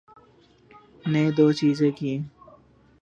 ‘نے دوچیزیں کیں۔